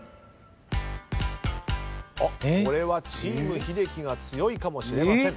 これはチーム英樹が強いかもしれません。